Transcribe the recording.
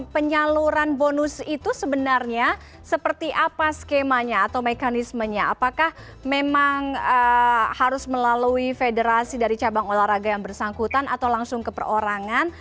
penyaluran bonus itu sebenarnya seperti apa skemanya atau mekanismenya apakah memang harus melalui federasi dari cabang olahraga yang bersangkutan atau langsung ke perorangan